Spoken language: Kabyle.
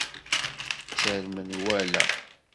Tter menwala.